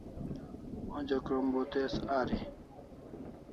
Onja krom bo tez ari